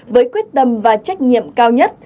với quyết tâm và trách nhiệm cao nhất